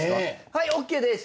はいＯＫです！